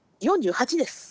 ４８です。